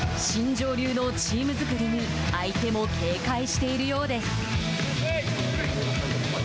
新庄流のチーム作りに相手も警戒しているようです。